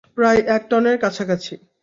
প্রায় এক টনের কাছাকাছি?